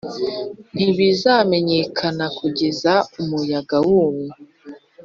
ntibizamenyekana kugeza umuyaga wumye